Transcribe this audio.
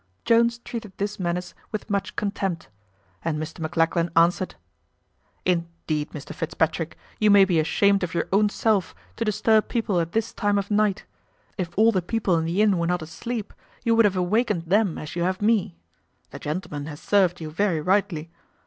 Jones treated this menace with much contempt; and Mr Maclachlan answered, "Indeed, Mr Fitzpatrick, you may be ashamed of your own self, to disturb people at this time of night; if all the people in the inn were not asleep, you would have awakened them as you have me. The gentleman has served you very rightly.